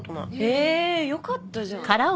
えよかったじゃん。